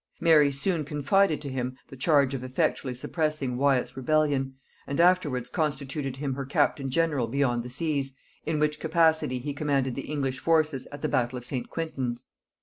Mary soon confided to him the charge of effectually suppressing Wyat's rebellion, and afterwards constituted him her captain general beyond the seas, in which capacity he commanded the English forces at the battle of St. Quintin's.